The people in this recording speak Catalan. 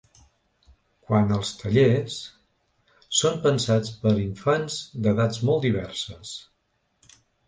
Quant als tallers, són pensats per a infants d’edats molt diverses.